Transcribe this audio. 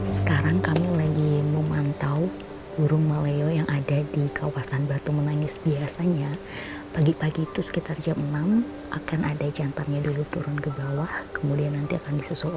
sekarang kami lagi memantau burung maleo yang ada di kawasan batu menangis